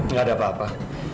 nggak ada apa apa